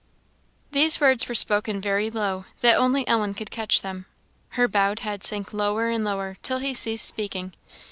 " These words were spoken very low, that only Ellen could catch them. Her bowed head sank lower and lower till he ceased speaking.